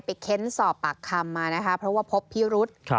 ไปเข้นสอบปากคำมานะครับเพราะว่าพบพี่รุธ